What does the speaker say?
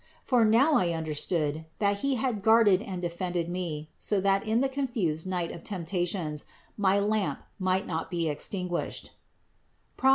For now I understood, that He had guarded and defended me, so that in the confused night of temptations my lamp might not be extinguished (Prov.